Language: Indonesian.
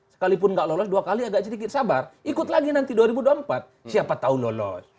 sekalipun nggak lolos dua kali agak sedikit sabar ikut lagi nanti dua ribu dua puluh empat siapa tahu lolos